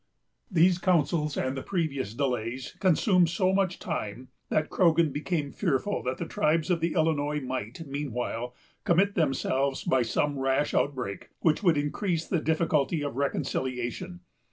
These councils, and the previous delays, consumed so much time, that Croghan became fearful that the tribes of the Illinois might, meanwhile, commit themselves by some rash outbreak, which would increase the difficulty of reconciliation.